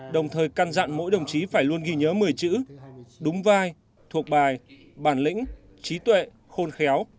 đồng thời căn dặn mỗi đồng chí phải luôn ghi nhớ một mươi chữ đúng vai thuộc bài bản lĩnh trí tuệ khôn khéo